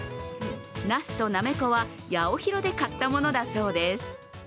なすとなめこはヤオヒロで買ったものだそうです。